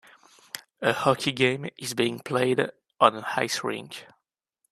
A hockey game is being played on an ice rink.